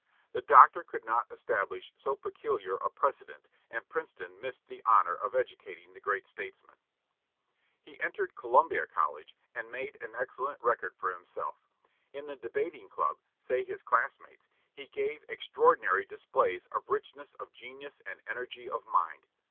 The doctor could not establish so peculiar a precedent, and Princeton missed the honor of educating the great statesman. He entered Columbia College, and made an excellent record for himself. In the debating club, say his classmates, "he gave extraordinary displays of richness of genius and energy of mind."